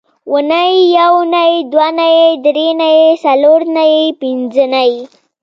اونۍ یونۍ دونۍ درېنۍ څلورنۍ پینځنۍ